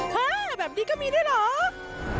ฮ่าแบบนี้ก็มีด้วยเหรอ